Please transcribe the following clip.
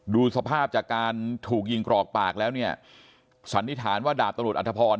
ดูสภาพจากการถูกยิงกรอกปากแล้วเนี่ยสันนิษฐานว่าดาบตำรวจอัธพร